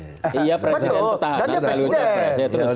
iya presiden tahanan